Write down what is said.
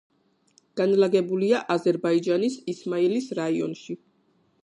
განლაგებულია აზერბაიჯანის ისმაილის რაიონში.